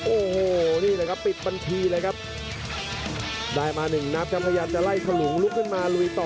โอ้โหนี่แหละครับปิดบัญชีเลยครับได้มาหนึ่งนัดครับพยายามจะไล่ถลุงลุกขึ้นมาลุยต่อ